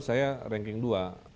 saya ranking dua